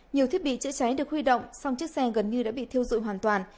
nhiều thiết bị chữa cháy được huy động song chiếc xe gần như đã bị thiêu dụi hoàn toàn